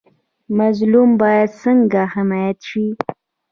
مظلوم باید څنګه حمایت شي؟